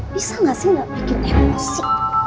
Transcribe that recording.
bisa gak sih gak bikin emosi